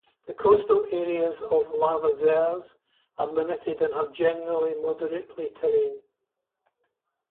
The coastal areas of Lavezares are limited and have generally moderately terrain.